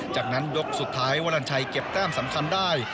จากนั้นยกสุดท้ายวรรณชัยเก็บแต้มสำคัญได้